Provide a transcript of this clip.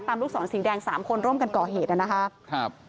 ลูกศรสีแดงสามคนร่วมกันก่อเหตุนะครับ